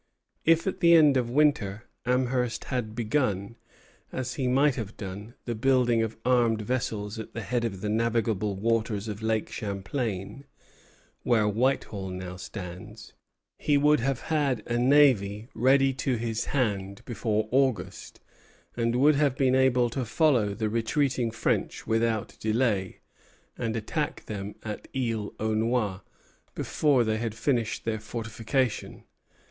If, at the end of winter, Amherst had begun, as he might have done, the building of armed vessels at the head of the navigable waters of Lake Champlain, where Whitehall now stands, he would have had a navy ready to his hand before August, and would have been able to follow the retreating French without delay, and attack them at Isle aux Noix before they had finished their fortifications.